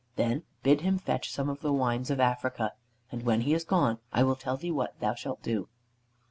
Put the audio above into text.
Then bid him fetch some of the wines of Africa, and when he is gone, I will tell thee what thou shalt do."